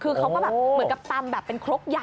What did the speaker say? คือเขาก็แบบเหมือนกับตำแบบเป็นครกใหญ่